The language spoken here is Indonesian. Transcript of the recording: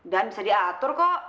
dan bisa diatur kok